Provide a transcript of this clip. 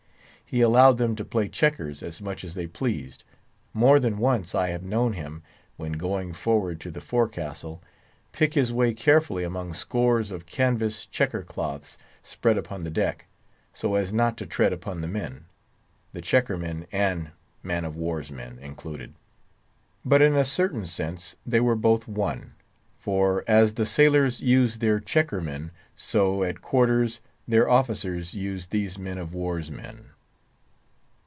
He allowed them to play checkers as much as they pleased. More than once I have known him, when going forward to the forecastle, pick his way carefully among scores of canvas checker cloths spread upon the deck, so as not to tread upon the men—the checker men and man of war's men included; but, in a certain sense, they were both one; for, as the sailors used their checker men, so, at quarters, their officers used these man of war's men.